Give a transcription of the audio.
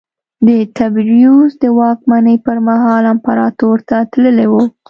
د تبریوس د واکمنۍ پرمهال امپراتور ته تللی و